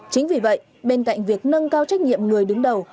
chính vì vậy bên cạnh việc nâng cao trách nhiệm người đứng đầu